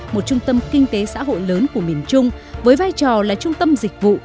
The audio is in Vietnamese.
một trung tâm kinh tế xã hội lớn của miền trung với vai trò là trung tâm dịch vụ